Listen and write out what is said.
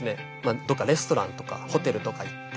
どっかレストランとかホテルとか行って。